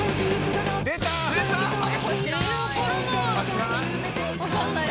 知らない？